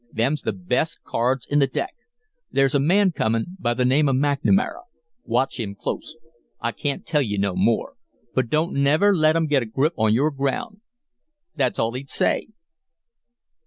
Them's the best cards in the deck. There's a man comin' by the name of McNamara. Watch him clost. I can't tell you no more. But don't never let 'em get a grip on your ground.' That's all he'd say."